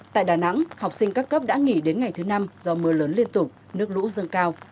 tại đà nẵng học sinh các cấp đã nghỉ đến ngày thứ năm do mưa lớn liên tục nước lũ dâng cao